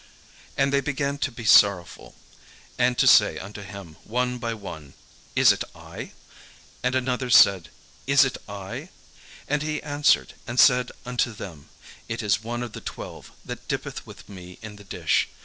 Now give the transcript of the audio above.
And they began to be sorrowful, and to say unto him one by one, "Is it I?" and another said, "Is it I?" And he answered and said unto them, "It is one of the twelve, that dippeth with me in the dish.